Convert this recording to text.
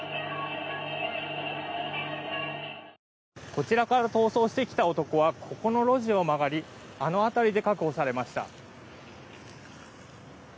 こちらから逃走してきた男はこの路地を曲がりあの辺りで確保されました。